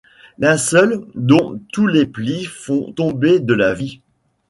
Linceul dont tous les-plis font tomber de la vie !